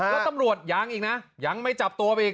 แล้วตำรวจยังอีกนะยังไม่จับตัวไปอีก